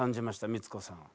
光子さんは。